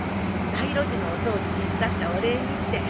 街路樹のお掃除手伝ったお礼にって。